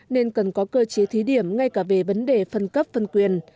nên cần có cơ chế thí điểm ngay cả về vấn đề phân cấp phân quyền